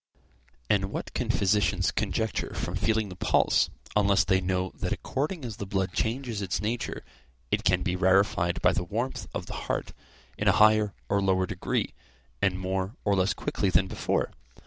And what can physicians conjecture from feeling the pulse unless they know that according as the blood changes its nature it can be rarefied by the warmth of the heart, in a higher or lower degree, and more or less quickly than before?